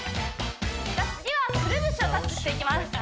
じゃあ次はくるぶしをタッチしていきます